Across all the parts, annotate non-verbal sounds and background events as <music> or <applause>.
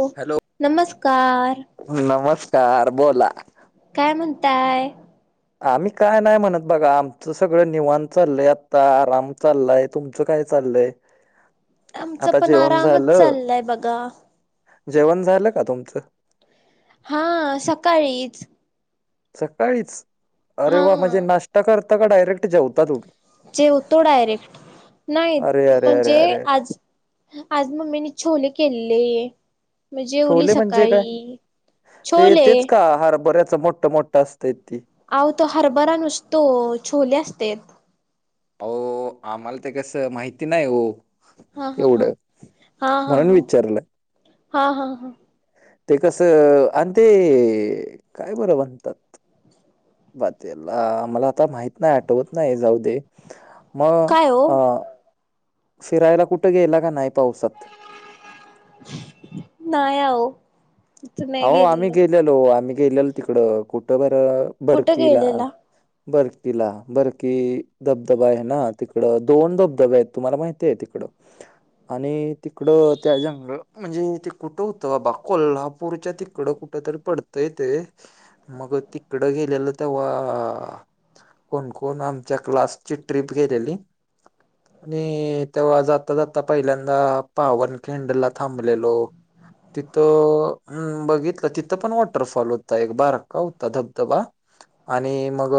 ओ hello नमस्कार नमस्कार बोला काय म्हणताय? आम्ही काय नाय म्हणत बघा आमचं सगळं निवांत चाललय आता आराम चाललाय. तुमचं काय चाललंय? आमचं आता पण जेवण आरामच झालं चाललय बघा. जेवण झालं का तुमचं? हा सकाळीच. सकाळीच अरे हा वा! म्हणजे नाष्टा करता का डायरेक्ट जेवता तुम्ही. जेवतो डायरेक्ट नाही अरे अरे अरे म्हणजे अरे आज आज मम्मीने छोले केलेले. म जेवली छोले म्हणजे काय सकाळी ते छोले तेच का हरभऱ्याचं मोठं मोठं असतंय ते. अहो तो हरभरा नसतो छोले असतेत. अहो आम्हाला ते कसं माहिती नाय ओ हा हा हा एवढं हा हा म्हणून हा विचारलं हा हा हा ते कसं आणि ते काय बरं म्हणतात बा तेला मला आता माहित नाय आठवत नाय जाऊ दे मग काय हो अ फिरायला कुठ गेला का नाय पावसात नाय आहो तिथं नाही अहो आम्ही गेलेलो आम्ही गेलेलो तिकड कुठं बर कुठे बरकीला गेलेला बरकीला बरकी धबधबा आहे ना तिकडं दोन धबधबे आहेत तुम्हाला माहिती ये तिकडं आणि तिकडं त्या जंगल म्हणजे ते कुठं होतं बाबा कोल्हा पूरच्या तिकडं कुठ तरी पडतंय ते मग तिकडं गेलेलं तेव्हा कोण, कोण आमच्या क्लास्टची ट्रिप गेलेली. मी तेव्हा जाता, जाता पहिल्यांदा पावनखिंडला थांबलेलो तिथं हम्म बघितलं तिथं पण वॉटरफॉल होता एक बारका होता धबधबा. आणि मग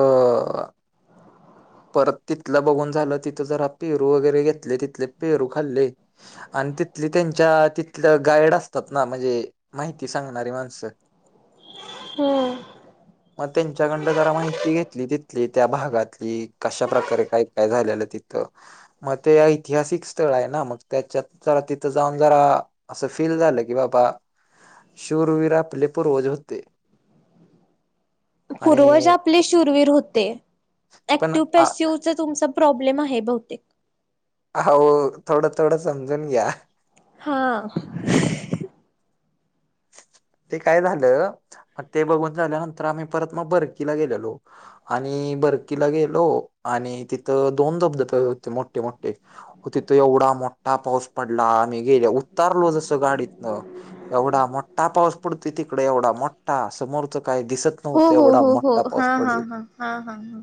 परत तिथलं बघून झालं तिथं जरा पेरू वगैरे घेतले तिथले पेरू खाल्ले. आणि तिथली त्यांच्या तिथलं गाईड असतात ना म्हणजे माहिती सांगणारी माणसं. <inaudible> हो, अ... मग त्यांच्याकडनं जरा माहिती घेतली तिथली त्या भागातली. कशाप्रकारे काय काय झालेलं तिथं. मग ते ऐतिहासिक स्थळ आहे ना मग त्याच्यात जरा तिथं जाऊन जरा असं फील झालं की बाबा शूरवीर आपले पूर्वज होते. <inaudible> पूर्वज आणि आपले शूरवीर होते पण ऍक्टिव आ- पेश ते तुमचा प्रॉब्लेम आहे बहुतेक. हो थोडं, थोडं समजून घ्या. हां. ते काय झालं मग ते बघून झाल्यानंतर आम्ही परत मग बरकीला गेलेलो. आणि बरकीला गेलो आणि तिथं दोन धबधबे होते मोठे, मोठे हो तिथं एवढा मोठा पाऊस पडला आम्ही गेल्या उतारलो जसं गाडीतनं एवढा मोठ्ठा पाऊस पडतोय तिकडे एवढा मोठा समोर काही दिसत हो नव्हतं हो एवढा हो हो मोठा हा पाऊस हा पडल हा हा हा हा.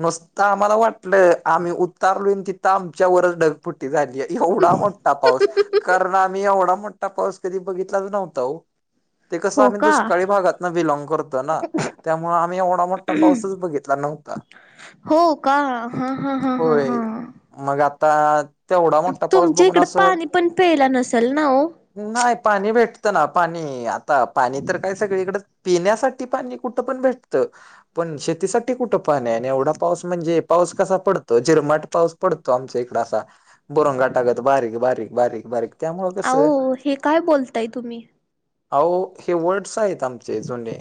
नुसतं आम्हाला वाटलं आम्ही उतारल तिथं आमच्यावरच ढगफुटी झालीय. एवढा मोठा पाऊस कारण आम्ही एवढा मोठा पाऊस कधी बघितलाच नव्हता ओ. ते कसं हो आम्ही का दुष्काळी भागात न बिलॉग करतो ना त्यामुळे आम्ही एवढा मोठा पाऊसच बघितला नव्हता. होका, हा, ह, ह, ह, हा. होय मग आता तेवढा मोठा पाऊस तुमच्या बघून इकडं असं पाणी पण प्यायला नसेल ना ओ? नाही पाणी भेटतं ना पाणी आता पाणी तर काय सगळीकडं पिण्यासा ते पाणी कुठं पण भेटतं. पण शेतीसाठी कुठं पाणी आहे आणि एवढा पाऊस म्हणजे पाऊस कसा पडतो जिरमाट पाऊस पडतो आमच्या इकडे असा बुरुंगटागत बारीक, बारीक, बारीक, बारीक. त्यामुळं कसं अहो हे काय बोलताय तुम्ही? अहो हे वर्ड्स आहेत आमचे जुने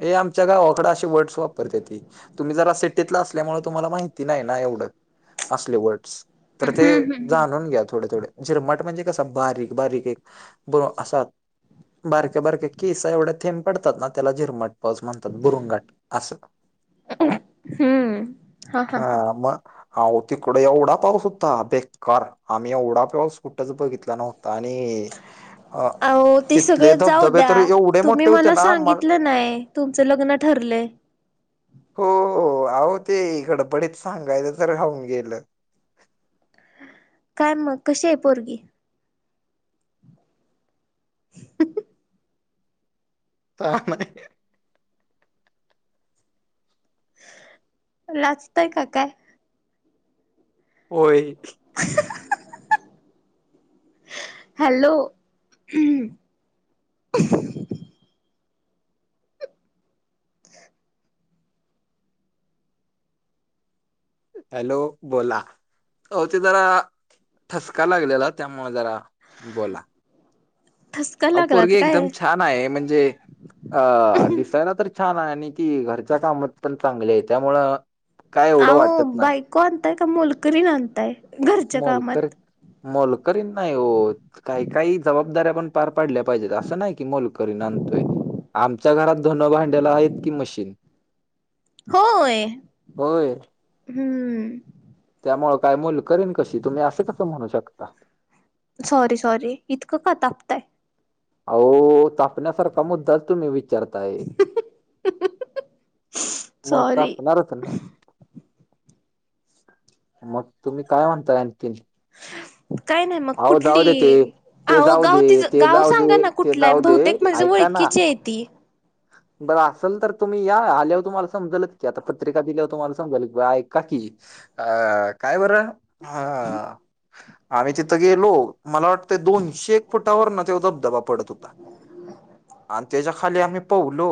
हे आमच्या गावावाकड अशी वर्ड्स वापरते ती तुम्ही जरा सेटीतला असल्यामुळे तुम्हाला माहिती नाही ना एवढं असले वर्डस तर हम्म ते हम्म हम्म. जाणून घ्या थोडे, थोडे झिरमट म्हणजे कस बारीक, बारीक एक ब असा बारक्या, बारक्या केसा एवढ्या थेंब पडतात ना त्याला झिरमट पाऊस म्हणतात बुरुंगट अस. हम्म, हा, हा. हा मग अहो तिकड एवढा पाऊस होता बे कार आम्ही एवढा पाऊस कुठंच बघितला नव्हता आणि अ अहो तिथले सगळं जाऊ धबधबे तर द्या एवढे तुम्ही मोठे होते मला ना म सांगितलं नाही तुमच लग्न ठरलय? हो, हो, आहो ते गडबडीत सांगायच राहुन गेलं. काय मग कशी आहे पोरगी? काय माहिती. लाजताय का काय? होय हॅलो ह <inaudible> हॅलो बोला आवो ते जरा ठसका लागलेला त्यामुळ ते जरा बोला ठसका अ लागला पोरगी का काय? एकदम छान आहे म्हणजे अ दिसायला तर छान आहे आणि ती घरच्या कामात पण चांगले आहे त्यामुळं काय एवढं आवो वाटत नाही बायको आणताय का मोलकरीन आणताय घरच्या मोलकर कामात मोलकरीन नाही हो काही काही जबाब दाऱ्या पण पार पाडल्या पाहिजेत असं नाही की मोलकरी आणतोय. आमच्या घरात धुनं भांड्याला आहेत की मशीन. होय हम्म. त्यामुळ काय मोलकरीन कशी तुम्ही असं कसं म्हणू शकता? सॉरी सॉरी इतकं का तापताय? आवो तापण्यासारखा मुद्दाच तुम्ही विचारताय. मग सॉरी तापणारच ना? मग तुम्ही काय म्हणताय आणखी? काय नाही मग ते कुठली ते आवो जाऊ गाव दे तिज ते गाव जाऊ सांगा दे ना ते कुठला आहे जाऊ बहुतेक दे हूतेक माझ्या ऐका ना ओळखीची आहे ती बरं असेल तर तुम्ही या आल्यावर तुम्हाला समजलच की आता पत्रिका दिल्यावर तुम्हाला समजल ऐका की अ काय बरं अ आम्ही तिथं गेलो मला वाटतंय दोनशे एक फुट टा वरण तो दबधबा पडत होता आणि त्याच्या खाली आम्ही पवलो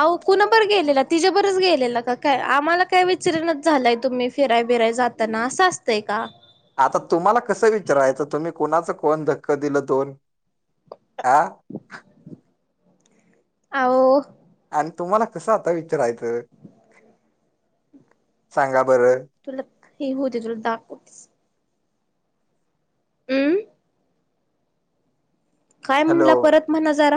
आवो कुणाबर गेलेला तिच्याबरच गेलेला का काय आम्हाला काय विचरणच झालंय तुम्ही फिराय बिराय जात तना अस असते का? आता तुम्हाला कसं विचारायचं तुम्ही कुणाच कोण धक्क दिलं दोन ह आवो आणि तुम्हाला कसं आता विचारायचं सांगा बरं तुला हे होवुदे तुला दाखवतेच हम् काय म्हणला परत म्हणा जरा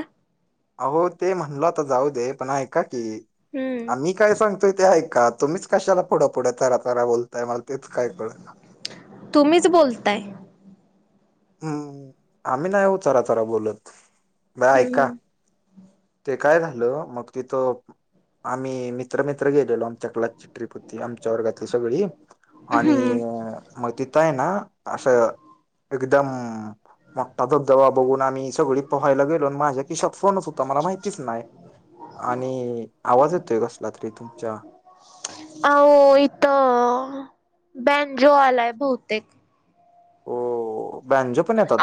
आवो ते म्हणल आता जाऊ दे पण ऐका की हम्म आम्ही काय सांगतोय ते ऐका तुम्हीच कशाला पुढं पुढे तरातरा बोलताय मला तेच काय कळना तुम्हीच बोलताय. हम्म आम्ही नाही हो चरा चरा बोलत ब र ऐका हम्म ते काय झालं मग तिथं आम्ही मित्रमित्र गेलेलो आमच्या क्लासची ट्रीप होती आमच्या वर्गातली सगळी आणि मग तिथं आहे ना असं एकदम मोठा धबधबा बघून आम्ही सगळी पोहायला गेलो आणि माझ्या किशात फोनच ता मला माहितीच नाही आणि आवाज येतोय कसला तरी तुमच्या आवो इथ बॅनजो आलाय बहुतेक हो.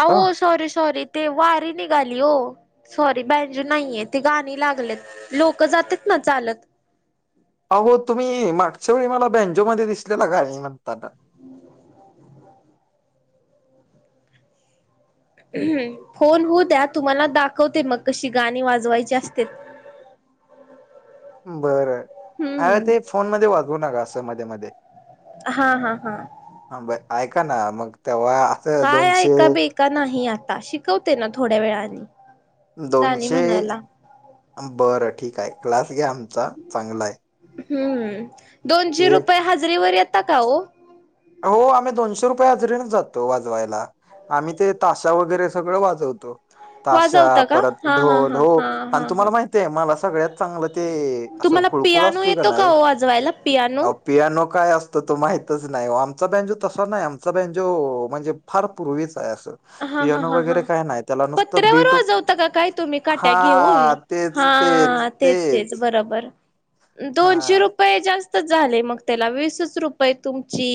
आवो सॉरी सॉरी ते वारी निघाली ओ. सॉरी बँजू नाहीये ते गाणी लागलेत लोक जातेत ना चालत अहो तुम्ही मागच्या वेळी मला बँनजोमध्ये दिसलेला गाणी म्हणताना हम् <inaudible> ह् होऊन होऊद्या तुम्हाला दाखवते मग कशी गाणी वाजवायची असत्यात ते बरं अ हम्म ते फोन मध्ये वाजवू नका असं मध्ये मध्ये हा हा हा. हां ऐका ना मग तेव्हा <unintelligible> काय ऐका बिका नाही आता शिकवते ना थोड्या वेळानी <unintelligible> दोनशे बरं ठीक आहे क्लास घ्या आमचा चांगल आहे. <unintelligible> हम्म दोनशे ते रुपये हजरीेवर यता का हो, <unintelligible> हो आम्ही दोनशे रुपये हाजरीेनेच जातो वाजवायला <unintelligible> आम्ही ते ताशा वगैरे सगळं वाजवतो <unintelligible> ताशा वाजवता का परत हा हा ढोल हा हो हा आणि हा हा तुम्हाला माहितय मला सगळ्यात <unintelligible> चांगलं ते असं तुम्हाला खुळखूळा पियानो असतोय का येतो नाही. ओ वाजवायला पियानो? <unintelligible> पियानो काय असतो तो माहितच <unintelligible> नाही आमचा बँजो तसा नाही आमचा बँजो म्हणजे फार पूर्वीच आहे अस. <unintelligible> हा हा हा हा पत्र्यावर बीट वाजवता का काय तुम्ही काट्या हा घेऊन <unintelligible> हा तेच तेच बरोबर हा दोनशे रुपये जास्त <unintelligible> झाले मग त्याला वीसच रुपये तुमची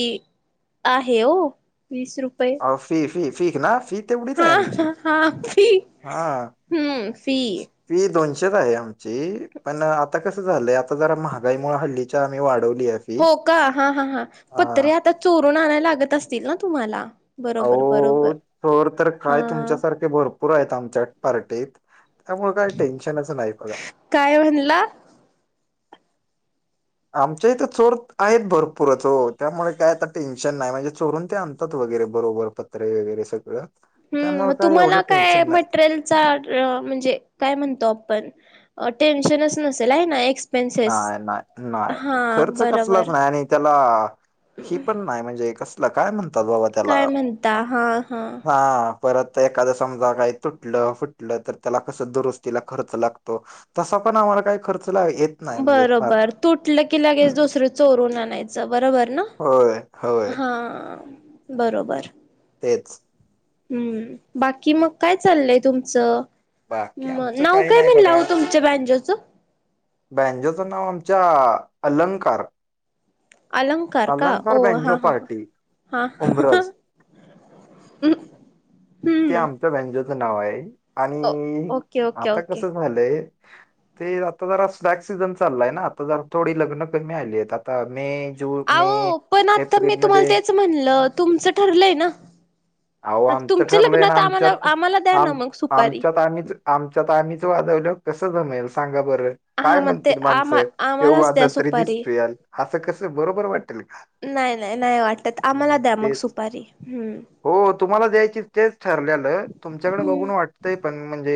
आहे हो वीस रुपये फी फी फीक ना फी <unintelligible> तेवढीच आहे हा आमची हा हा फी हा. हम्म फी <unintelligible> फी दोनशेच आहे आमची पण आता कसं झालंय आता जरा महागाईमुळे हल्लीच्या आम्ही वाढवली आहे. फी हो का हा हा हां हा पण तरी आता चोरून आणायला लागत असतील ना तुम्हाला. <unintelligible> बरोबर बरोबर अहो थोर तर हा. काय <unintelligible> तुमच्यासारखे भरपूर आहेत आमच्या पार्टीत त्यामुळे काही टेन्शनच नाही बघा. <unintelligible> काय म्हणला <unintelligible> आमच्या इथं चोर आहेत भरपूरच हो त्यामुळे काय आता टेन्शन नाही म्हणजे चोरून ते आणतात वगैरे बरोबर, पत्रे वगैरे सगळं. <unintelligible> ह् मग काय एवढं तुम्हाला काय टेन्शन नाही मटेरियल <unintelligible> चा या म्हणजे काय म्हणतो आपण टेशनच <unintelligible> नाही नाही नाही खर्च कसलाच बरोबर नाही आणि <unintelligible> त्याला ही पण नाही म्हणजे कसं <unintelligible> काय म्हणतात बाबा त्याला काय म्हणता हा हा हा <unintelligible> परत एखादं समजा काय तुटलं फुटलं तर त्याला कसं दुरुस्तीला खर्च लागतो. <unintelligible> तसा पण आम्हाला काही खर्च येत. <unintelligible> फार बरोबर तुटलं की लगेच दुसरं चोरून आणायचं बरोबर ना. <unintelligible> होय होय <unintelligible> हा <unintelligible> बरोबर <unintelligible> तेच <unintelligible> हम्म बाकी मग काय चाललय तुमचं? <unintelligible> बाकी म आमचं नाव काही काय नाही म्हणला बघा वो तुमच्या बँजोचं? <unintelligible> बँजोचं नाव आमचा अलंकार, <unintelligible> अलंकार का अलंकार ओ हा बँजो ह पार्टी हा, उमरज <unintelligible> हम्म <unintelligible> बाजोच नाव आहे आणि ओके ओके आता ओके कस झालंय ते आता जरा स्टाअक सीझन चाललाय ना आता जरा थोडी लग्न कमी आली आहेत आता मे <unintelligible> अहो पण आता मी तुम्हाला एप्रिलमध्ये तेच म्हणलं तुमचं ठरलंय ना. <unintelligible> अहो आमचं तुमच ठरलंय ना लग्नत आम्हाला आमच्यात आम्हाला द्या ना आम मग सुपारी. आमच्यात आम्हीच <unintelligible> आमच्यात आम्हीच वादवल कसं जमेल सांगा बरं. <unintelligible> हा काय मग ते म्हणतील आम्हा माणसं तेव आम्हालाच द्या वाजततरी सुपारी दिसतोयाल असं कस बरोबर वाटेल का. <unintelligible> नाही नाही नाही वाटत आम्हाला द्या मग सुपारी हम्म. <unintelligible> हो तुम्हाला द्यायचीच तेच ठरलेलं तुमच्याकडे बघून वाट <unintelligible> तय पण म्हणजे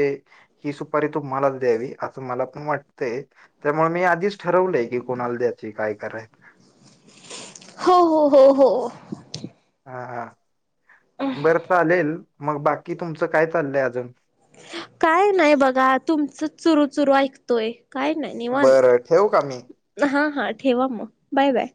ही सुपारी तुम्ही मलाच द्यावी असं मला पण वाटत. <unintelligible> ते त्यामुळे मी आधीच ठरवलंय की कोणाला द्यायची काय करायच. <unintelligible> हो हो हो हो <unintelligible> हा हा बरं चालेल मग बाकी तुमचं काय चाललंय अजून. काय नाही बघा तुमचं चुरू चुरू ऐकतोय. काय नाय निवांत बरं ठेवू का मी हा हा ठेवा मग बाय बाय.